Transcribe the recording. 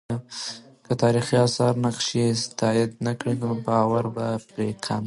که تاریخي آثار نقش یې تایید نه کړي، نو باور به پرې کم سي.